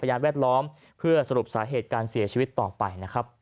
พยายามแวดล้อมเพื่อสรุปสาเหตุการเสียชีวิตต่อไป